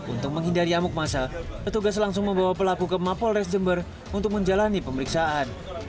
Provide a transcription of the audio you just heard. untuk menghindari amuk masa petugas langsung membawa pelaku ke mapolres jember untuk menjalani pemeriksaan